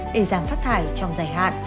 để giảm phát thải trong dài hạn